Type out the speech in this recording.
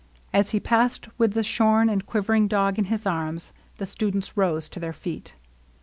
As he passed with the shorn and quivering dog in his arms, the students rose to their feet.